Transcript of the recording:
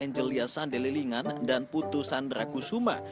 angelia sandelilingan dan putu sandra kusuma